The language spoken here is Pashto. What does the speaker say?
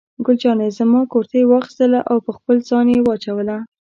ګل جانې زما کورتۍ واخیستله او پر خپل ځان یې واچوله.